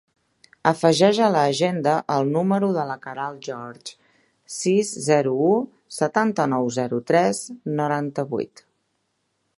Afegeix a l'agenda el número de la Queralt Gheorghe: sis, zero, u, setanta-nou, zero, tres, noranta-vuit.